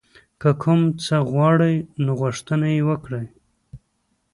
که کوم څه غواړئ نو غوښتنه یې وکړئ.